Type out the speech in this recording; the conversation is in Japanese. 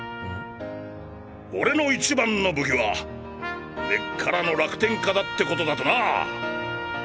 俺の一番の武器は根っからの楽天家だってことだとな。